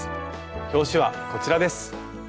表紙はこちらです。